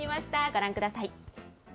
ご覧ください。